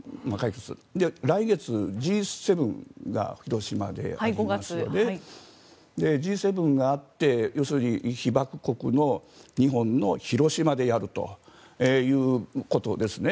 来月、Ｇ７が広島でありますのでＧ７があって要するに被爆国の日本の広島でやるということですね。